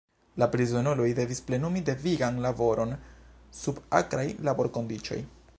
La prizonuloj devis plenumi devigan laboron sub akraj laborkondiĉoj.